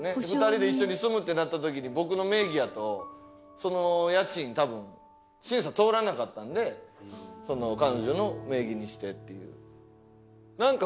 ２人で一緒に住むってなった時に僕の名義やとその家賃多分審査通らなかったんで彼女の名義にしてっていう。